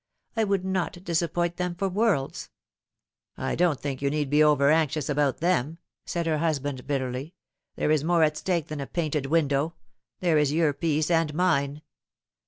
"I would not disappoint them for worlds." " I don't think you need be over anxious about them," said her husband bitterly. " There is more at stake than a painted window : there is your peace and mine.